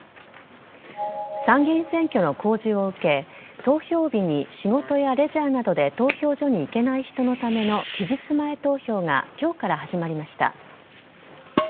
参議院選挙の公示を受け投票日に仕事やレジャーなどで投票所に行けない人のための期日前投票が今日から始まりました。